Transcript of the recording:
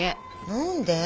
何で？